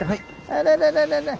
あららららら。